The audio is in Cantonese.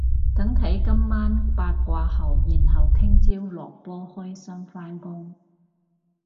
等睇今晚掛八號然後聽朝落波開心返工